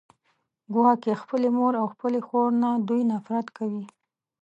ګواکې خپلې مور او خپلې خور نه دوی نفرت کوي